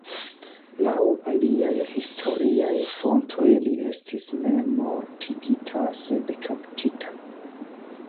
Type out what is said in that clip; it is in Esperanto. Laŭ aliaj historiaj fontoj li estis ne mortigita, sed kaptita.